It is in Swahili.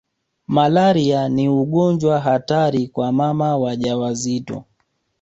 Malaria ni ugonjwa hatari kwa mama wajawazito